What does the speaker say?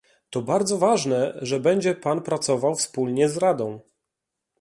To bardzo ważne, że będzie pan pracował wspólnie z Radą